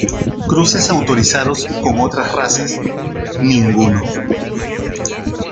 Cruces autorizados con otras razas: ninguno.